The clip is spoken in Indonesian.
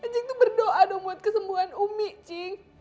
cing tuh berdoa dong buat kesembuhan umi cing